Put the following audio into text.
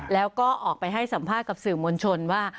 แล้วก็ออกไปให้สัมภาษณ์กับสื่อมวลชนว่า